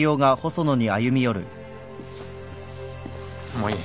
もういい。